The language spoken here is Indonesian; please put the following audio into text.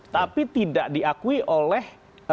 tapi tidak diakui oleh